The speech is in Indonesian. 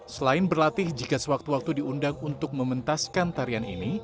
selain berlatih jika sewaktu waktu diundang untuk mementaskan tarian ini